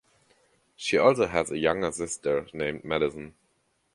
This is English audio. She also has a younger sister named Madison.